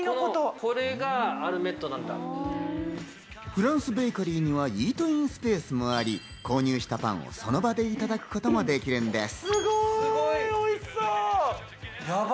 フランスベーカリーにはイートインスペースもあり、購入したパンをその場でいただくこともできるんです。